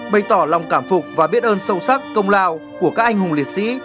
bày tỏ lòng cảm phục và biết ơn sâu sắc công lao của các anh hùng liệt sĩ